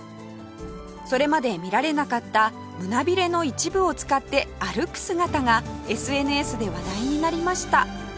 それまで見られなかった胸ビレの一部を使って歩く姿が ＳＮＳ で話題になりました